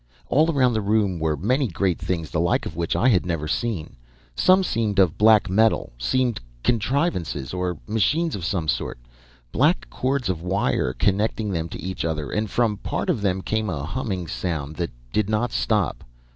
"All around the room were many great things the like of which I had never seen. Some seemed of black metal, seemed contrivances or machines of some sort. Black cords of wire connected them to each other and from part of them came a humming sound that did not stop.